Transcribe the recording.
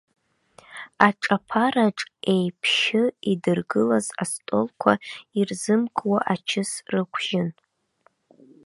Аҿаԥараҿ еиԥшьы идыргылаз астолқәа ирзымкуа ачыс рықәжьын.